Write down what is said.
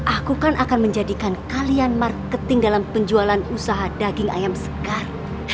aku kan akan menjadikan kalian marketing dalam penjualan usaha daging ayam segar